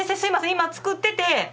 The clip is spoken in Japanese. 今作ってて。